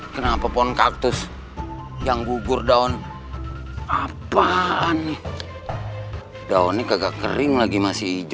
kenapa pohon kaktus yang gugur daun apa nih daunnya kagak kering lagi masih hijau